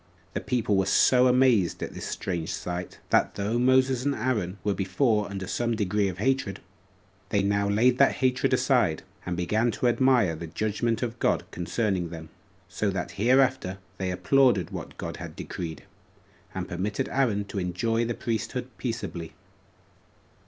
The people were so amazed at this strange sight, that though Moses and Aaron were before under some degree of hatred, they now laid that hatred aside, and began to admire the judgment of God concerning them; so that hereafter they applauded what God had decreed, and permitted Aaron to enjoy the priesthood peaceably.